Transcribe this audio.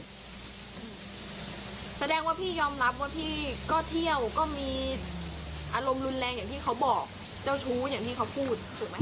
แสดงว่าพี่ยอมรับว่าพี่ก็เที่ยวก็มีอารมณ์รุนแรงอย่างที่เขาบอกเจ้าชู้อย่างที่เขาพูดถูกไหม